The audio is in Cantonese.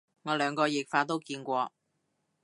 我兩個譯法都見過